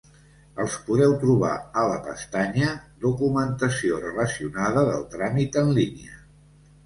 Els podeu trobar a la pestanya "Documentació relacionada" del tràmit en línia.